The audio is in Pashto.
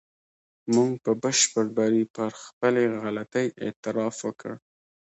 موږ په بشپړ بري پر خپلې غلطۍ اعتراف وکړ.